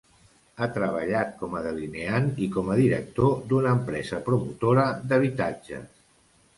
Ha treballat com a delineant i com a director d'una empresa promotora d'habitatges.